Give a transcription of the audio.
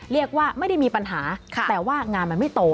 เรียกว่าไม่ได้มีปัญหาแต่ว่างานมันไม่โต